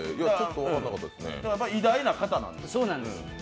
偉大な方なんで。